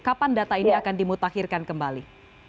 kapan data ini akan dimutakhirkan kembali